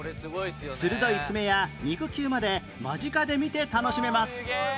鋭い爪や肉球まで間近で見て楽しめます